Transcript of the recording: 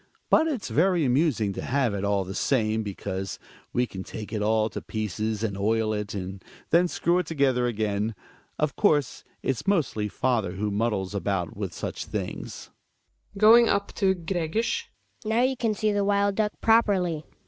But it's very amusing to have it, all the same, because we can take it all to pieces, and oil it, and then screw it together again. Of course its mostly father who muddles about with such things. Hedvig {going up to Gregers). Now you can see the wild duck properly.